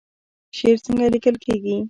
شعر څنګه لیکل کیږي؟